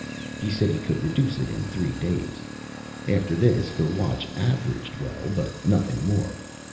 He said he could reduce it in three days. After this the watch averaged well, but nothing more.